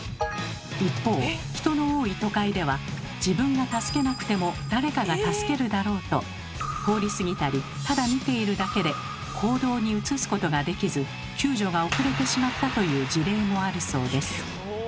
一方人の多い都会では「自分が助けなくても誰かが助けるだろう」と通り過ぎたりただ見ているだけで行動に移すことができず救助が遅れてしまったという事例もあるそうです。